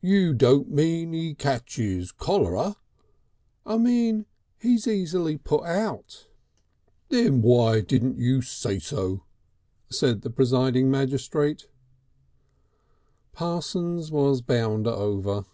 "You don't mean 'E ketches cholera." "I mean he's easily put out." "Then why can't you say so?" said the presiding magistrate. Parsons was bound over.